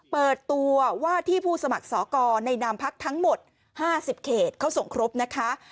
เปิดตัวว่าที่ผู้สมัครสอกรในนามพักทั้งหมด๕๐เขตเขาส่งครบนะคะ